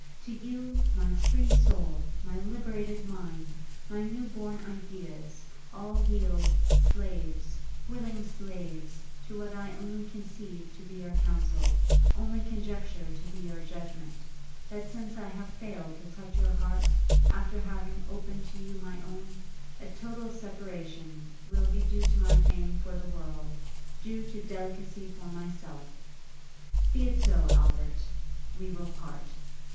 To you, my free soul, my liberated mind, my new born ideas, all yield, slaves, willing slaves, to what I only conceive to be your counsel, only conjecture to be your judgment; that since I have failed to touch your heart, after having opened to you my own, a total separation will be due to my fame for the world, due to delicacy for myself.... 'Be it so, Albert ... we will part!